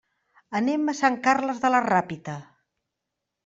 Anem a Sant Carles de la Ràpita.